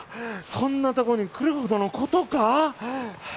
こんなとこに来るほどのことか？